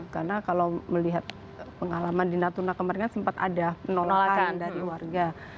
karena kalau melihat pengalaman di natuna kemarin sempat ada menolakan dari warga